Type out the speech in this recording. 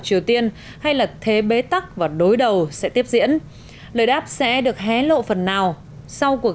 triều tiên hay là thế bế tắc và đối đầu sẽ tiếp diễn lời đáp sẽ được hé lộ phần nào sau cuộc